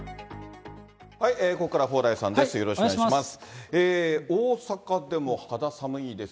ここからは蓬莱さんです。